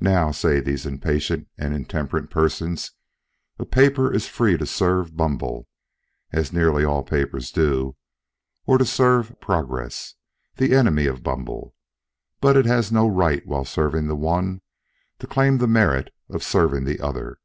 Now, say these impatient and intemperate persons, a paper is free to serve Bumble (as nearly all papers do), or to serve Progress, the enemy of Bumble; but it has no right, while serving the one, to claim the merit of serving the other.